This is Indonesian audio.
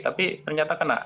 tapi ternyata kena